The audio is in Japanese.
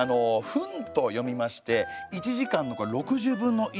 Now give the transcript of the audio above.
「ふん」と読みまして１時間の６０分の１の単位なんですよね。